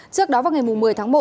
trước đó vào ngày một mươi tháng một